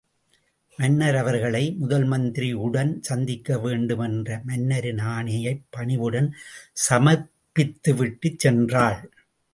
மன்னர் அவர்களை, முதல்மந்திரி உடன் சந்திக்க வேண்டுமென்ற மன்னரின் ஆணையைப் பணிவுடன் சமர்ப்பித்துவிட்டுச் சென்றாள்!